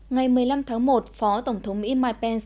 ngày một mươi năm tháng một phó tổng thống mỹ mike pence